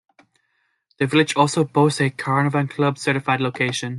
The village also boasts a Caravan Club Certified Location.